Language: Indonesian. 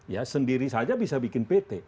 ya sendiri saja bisa bikin pt